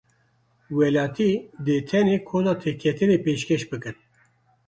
Welatî dê tenê koda têketinê pêşkêş bikin.